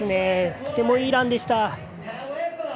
とてもいいランでした。